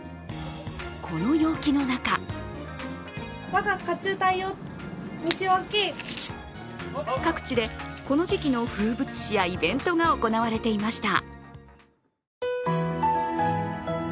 この陽気の中各地でこの時期の風物詩やイベントが行われていました。